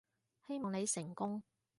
希望你成功